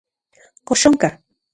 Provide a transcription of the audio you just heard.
¿Kox onka?